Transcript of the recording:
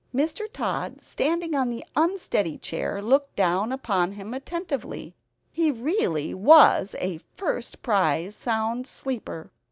Mr. Tod standing on the unsteady chair looked down upon him attentively; he really was a first prize sound sleeper!